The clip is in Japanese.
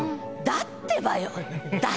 「だってば」。